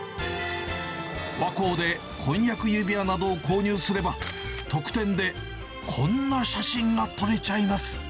和光で婚約指輪などを購入すれば、特典でこんな写真が撮れちゃいます。